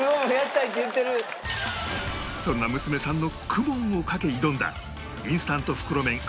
そんな娘さんの ＫＵＭＯＮ をかけ挑んだインスタント袋麺